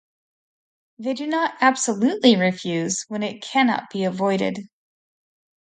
They do not absolutely refuse when it cannot be avoided.